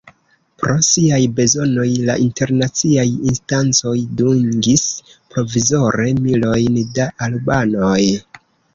Pro siaj bezonoj, la internaciaj instancoj dungis provizore milojn da albanoj.